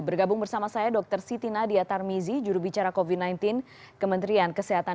bergabung bersama saya dr siti nadia tarmizi jurubicara covid sembilan belas kementerian kesehatan